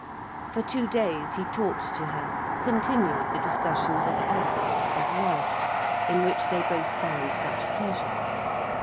For two days, he talked to her, continued the discussions of art, of life, in which they both found such pleasure.